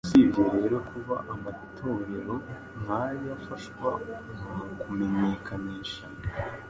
Usibye rero kuba amatorero nk’aya afasha mu kumenyekanisha